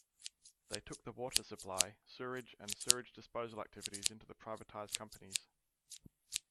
They took the water supply, sewerage and sewage disposal activities into the privatised companies.